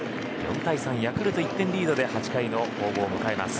４対３、ヤクルト１点リードで８回の攻防を迎えます。